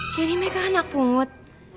jadi mereka anak pungut